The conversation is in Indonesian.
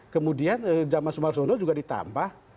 kemudian zaman sumar sono juga ditambah